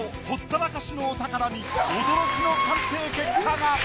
ほったらかしのお宝に驚きの鑑定結果が！